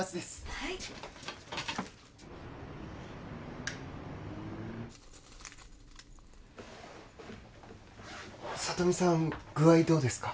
はい聡美さん具合どうですか？